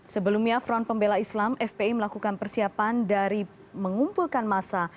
sebelumnya front pembela islam fpi melakukan persiapan dari mengumpulkan masa